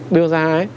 đưa ra ấy